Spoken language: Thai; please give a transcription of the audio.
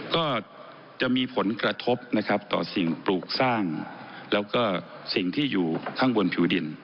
ก็จะมีผลกระทบนะครับต่อสิ่งปลูกสร้างแล้วก็สิ่งที่อยู่ข้างบนผิวดิน